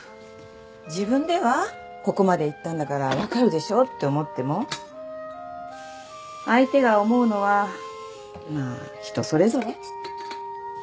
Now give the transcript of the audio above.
自分ではここまで言ったんだから分かるでしょって思っても相手が思うのはまぁ人それぞれ。